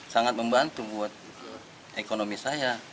sangat membantu buat ekonomi saya